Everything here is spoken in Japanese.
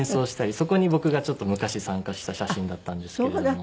そこに僕がちょっと昔参加した写真だったんですけれども。